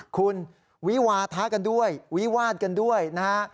คุณวิวาทะกันด้วยวิวาดกันด้วยนะฮะ